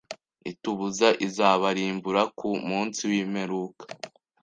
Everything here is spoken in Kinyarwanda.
itubuza, izabarimbura ku munsi w’imperuka